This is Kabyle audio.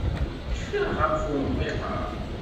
Cfiɣ ɣef umḍiq-a.